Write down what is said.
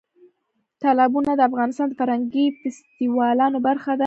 تالابونه د افغانستان د فرهنګي فستیوالونو برخه ده.